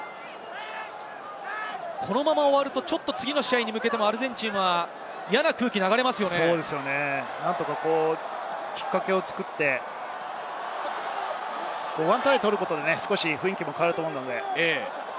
このまま終わると、ちょっと次の試合に向けてアルゼンチンは嫌な空気が何とかきっかけを作って、１トライを取ることで少し雰囲気も変わると思うので。